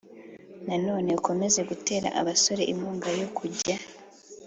Nanone ukomeze gutera abasore inkunga yo kujya